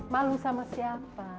malu sama siapa